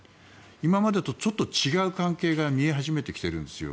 今までとちょっと違う関係が見え始めてきているんですよ。